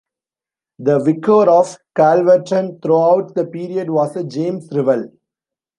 The vicar of Calverton throughout the period was a James Revell.